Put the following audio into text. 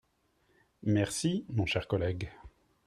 Merci, mon cher collègue.